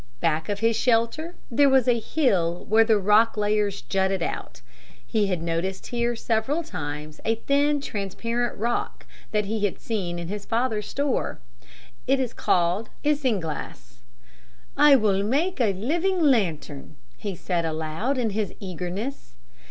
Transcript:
Back of his shelter there was a hill where the rock layers jutted out. He had noticed here several times the thin transparent rock that he had seen in his father's store. It is called isinglass. "I will make a living lantern," he said aloud in his eagerness.